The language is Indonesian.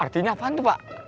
artinya apaan tuh pak